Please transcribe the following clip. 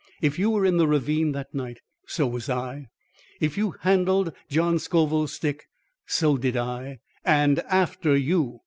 If you were in the ravine that night, so was I. If you handled John Scoville's stick, so did I, AND AFTER YOU!